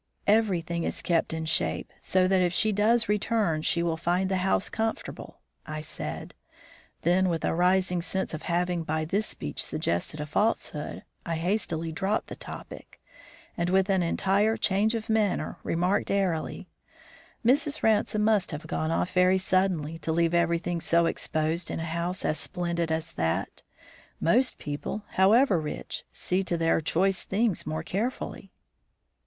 "Everything is kept in shape, so that if she does return she will find the house comfortable," I said; then, with a rising sense of having by this speech suggested a falsehood, I hastily dropped the topic, and, with an entire change of manner, remarked, airily: "Mrs. Ransome must have gone off very suddenly, to leave everything so exposed in a house as splendid as that. Most people, however rich, see to their choice things more carefully."